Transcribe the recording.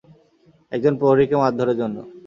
একজন প্রহরীকে মারধরের জন্য!